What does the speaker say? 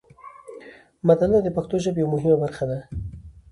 متلونه د پښتو ژبې یوه مهمه برخه ده